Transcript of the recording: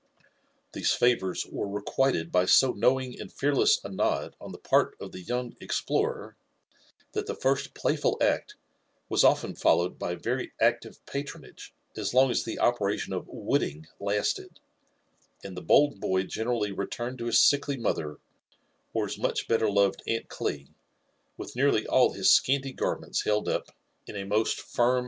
fhese fsfVotfri were recftiited by so knowing and fearless a nod oh th<^ part of the young explorer, that the first playful act wa^ often followed by very active patrotfige as long as the operation of '* wooding" lasted ; and Ae bold l^ generally retm^ned to his siekly mothet, or hii much better brred aunt Gli, with nearly all bis aesinty gafftie^ta held tf^ iti a JONATHAN JEFFERSON WHITLAW.